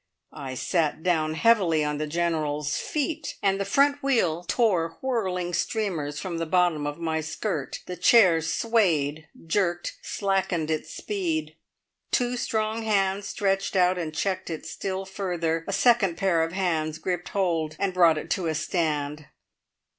I sat down heavily on the General's feet, and the front wheel tore whirling streamers from the bottom of my skirt. The chair swayed, jerked, slackened its speed; two strong hands stretched out and checked it still further; a second pair of hands gripped hold, and brought it to a stand.